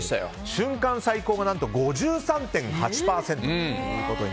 瞬間最高が何と５３．８％と。